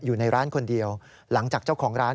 อยู่ในร้านคนเดียวหลังจากเจ้าของร้าน